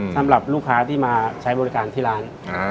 สำหรับลูกค้าที่มาใช้บริการที่ร้าน